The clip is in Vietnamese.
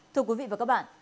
thưa quý vị và các bạn